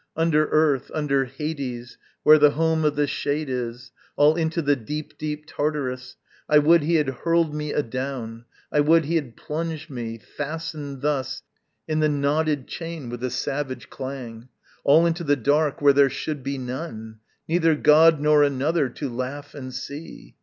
_ Under earth, under Hades Where the home of the shade is, All into the deep, deep Tartarus, I would he had hurled me adown. I would he had plunged me, fastened thus In the knotted chain with the savage clang, All into the dark where there should be none, Neither god nor another, to laugh and see.